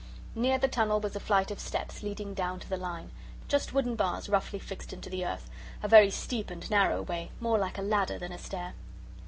Near the tunnel was a flight of steps leading down to the line just wooden bars roughly fixed into the earth a very steep and narrow way, more like a ladder than a stair.